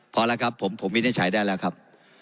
พอแล้วครับผมผมไม่ได้ใช้ได้แล้วครับ